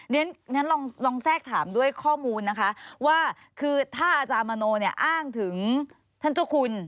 ฉะนั้นลองแทรกถามด้วยข้อมูลนะคะว่าคือถ้าอาจารย์มโนเนี่ยอ้างถึงท่านเจ้าคุณ